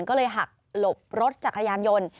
ก็เลยหักหลบรถจักรยานยนต์